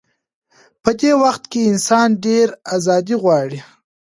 په دې وخت کې انسان ډېره ازادي غواړي.